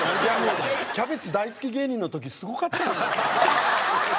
キャベツ大好き芸人の時すごかったんだから。